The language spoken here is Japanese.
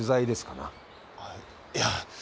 いや。